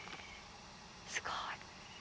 すごい。